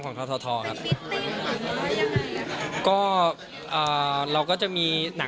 ส่งมาละเดือนหน้า